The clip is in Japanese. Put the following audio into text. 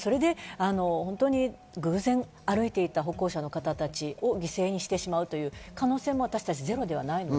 それで偶然歩いていた歩行者の方たちを犠牲にしてしまうという可能性もゼロではないので。